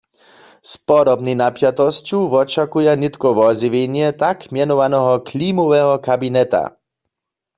Z podobnej napjatosću wočakuja nětko wozjewjenje tak mjenowaneho klimoweho kabineta.